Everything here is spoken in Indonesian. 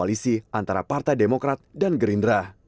terkait perkembangan koalisi antara partai demokrat dan gerindra